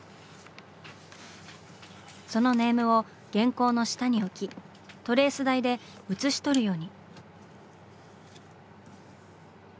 そのネームを原稿の下に置きトレース台で写し取るように。